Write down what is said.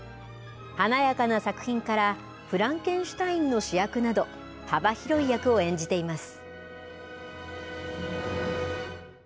華やかな作品から、フランケンシュタインの主役など、幅広い役を演じています。